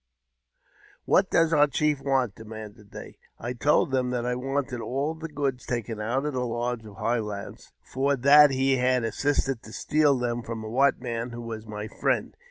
" What does our chief want? " demanded they. I told them that I wanted all the goods taken out of the lodge of High Lance, for that he had assisted to steal them from a white man, who was my friend.